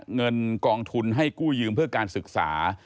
เงินกองทุนให้กู้ยืมเพื่อการศึกษา